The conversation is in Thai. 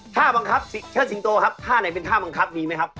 ท่าบังคับเชิดสิงโตครับท่าไหนเป็นท่าบังคับมีไหมครับ